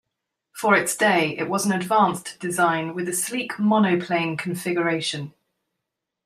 For its day, it was an advanced design, with a sleek monoplane configuration.